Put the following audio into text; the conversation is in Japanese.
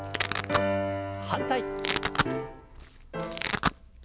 反対。